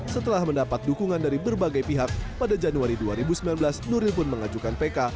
setelah mendapat dukungan dari berbagai pihak pada januari dua ribu sembilan belas nuril pun mengajukan pk